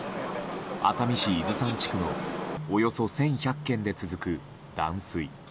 熱海市伊豆山地区のおよそ１１００軒で続く断水。